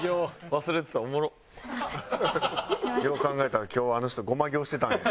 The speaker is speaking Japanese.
よう考えたら今日あの人護摩行してたんや。